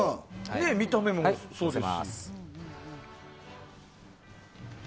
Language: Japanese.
見た目もそうですし。